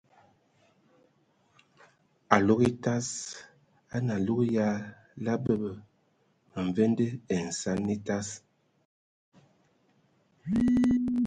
Alug etas a nə alug ya la bəbə məmvende ai nsanəŋa atas.